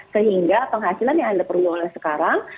sehingga penghasilan yang anda perlu oleh sekarang